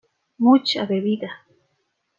Mucha bebida.